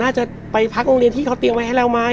น่าจะไปพักโรงเรียนที่เขาเตียมไว้ให้เรามั้ย